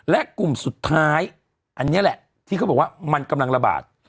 และกลุ่มสุดท้ายอันนี้แหละที่เขาบอกว่ามันกำลังระบาด